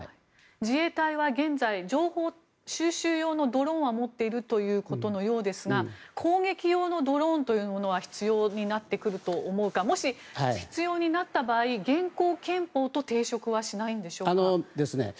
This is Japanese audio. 自衛隊は現在、情報収集用のドローンは持っているということのようですが攻撃用のドローンというものは必要になってくると思うかもし、必要になった場合現行憲法と抵触はしないんでしょうか。